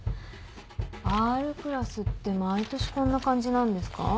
Ｒクラスって毎年こんな感じなんですか？